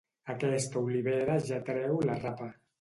Aquesta olivera ja treu la rapa.